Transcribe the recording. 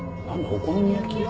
お好み焼き屋？